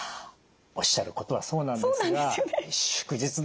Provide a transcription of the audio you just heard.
おっしゃることはそうなんですが「祝日だ。